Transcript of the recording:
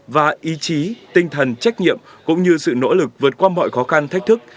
và ý chí tinh thần trách nhiệm cũng như sự nỗ lực vượt qua mọi khó khăn thách thức